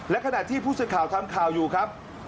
และขณะที่ผู้สื่อข่าวทำข่าวอยู่ครับ